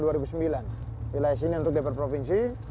wilayah sini untuk dpr provinsi